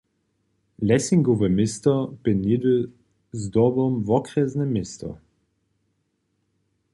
Lessingowe město bě něhdy zdobom wokrjesne město.